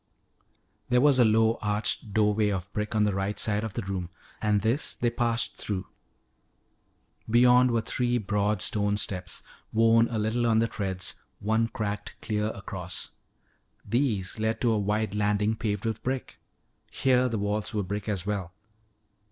There was a low arched doorway of brick on the right side of the room, and this they passed through. Beyond were three broad stone steps, worn a little on the treads, one cracked clear across. These led to a wide landing paved with brick. Here the walls were brick as well.